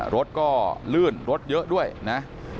รถก็ลื่นรถเยอะด้วยนะ